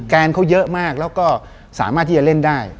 นเขาเยอะมากแล้วก็สามารถที่จะเล่นได้